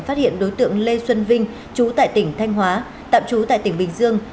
phát hiện đối tượng lê xuân vinh chú tại tỉnh thanh hóa tạm trú tại tỉnh bình dương